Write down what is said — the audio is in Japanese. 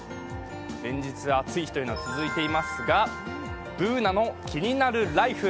連日暑い日が続いていますが、「ＢｏｏｎａのキニナルＬＩＦＥ」。